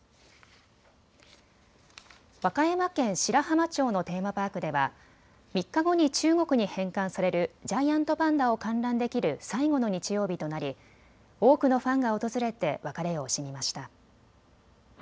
和歌山県白浜町のテーマパークでは３日後に中国に返還されるジャイアントパンダを観覧できる最後の日曜日となり多くのファンが訪れて別れを惜しみました。